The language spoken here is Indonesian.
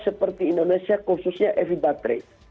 seperti indonesia khususnya ev baterai